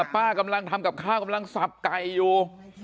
กำลังทำกับข้าวกำลังสับไก่อยู่